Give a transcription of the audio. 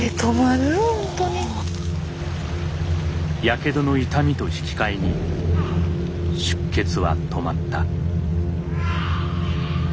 やけどの痛みと引き換えに出血は止まった。